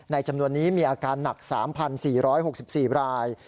จำนวนนี้มีอาการหนัก๓๔๖๔ราย